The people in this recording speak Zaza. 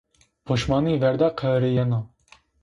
Poşmanî ver de qehirîyena